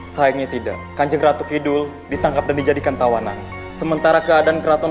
sayangnya tidak kanjeng ratu kidul ditangkap dan dijadikan tawanan sementara keadaan keraton